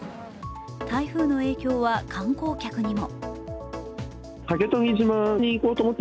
台風の影響は観光客にも。